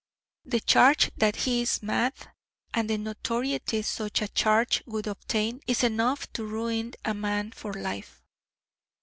The charge that he is mad, and the notoriety such a charge would obtain, is enough to ruin a man for life."